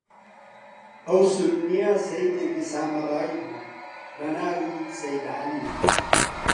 ئەو سوننییە سەییدێکی سامرایی بوو، بە ناوی سەیید عەلی